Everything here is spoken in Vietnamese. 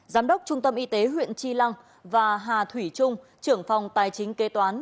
giám đốc trung tâm y tế huyện chi lăng và hà thủy trung trưởng phòng tài chính kế toán